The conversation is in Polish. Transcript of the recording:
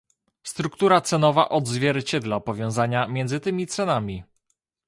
Struktura cenowa odzwierciedla powiązania między tymi cenami